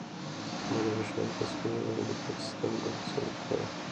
ما د بریښنایي تذکیرې بایومتریک سیستم ګوته ثبت کړه.